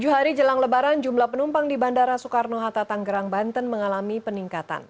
tujuh hari jelang lebaran jumlah penumpang di bandara soekarno hatta tanggerang banten mengalami peningkatan